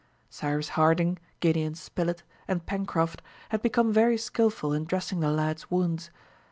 Cyrus Harding, Gideon Spilett, and Pencroft had become very skilful in dressing the lad's wounds.